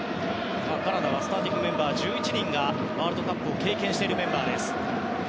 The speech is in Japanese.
カナダはスターティングメンバー１１人がワールドカップを経験しています。